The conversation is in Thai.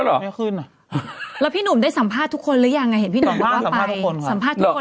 เราพี่หนุ่มได้สัมภาษณ์ทุกคนหรือยังไหร่